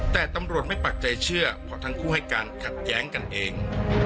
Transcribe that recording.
แต่ตำรวจไม่ปักใจเชื่อเพราะทั้งคู่ให้การขัดแย้งกันเอง